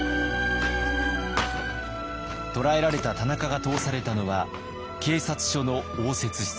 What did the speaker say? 捕らえられた田中が通されたのは警察署の応接室。